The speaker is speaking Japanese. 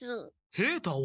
平太を？